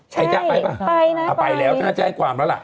ใช่ไปปะไปแล้วก็ไม่แจ้งความแล้วล่ะ